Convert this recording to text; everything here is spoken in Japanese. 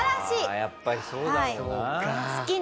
やっぱりそうだろうな。